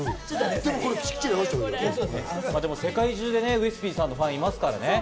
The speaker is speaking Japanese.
世界中でウエスＰさんのファンがいますからね。